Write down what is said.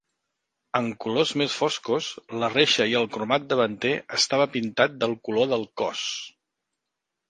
En colors més foscos, la reixa i el cromat davanter estava pintat del color del cos.